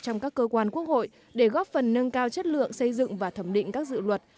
trong các cơ quan quốc hội để góp phần nâng cao chất lượng xây dựng và thẩm định các dự luật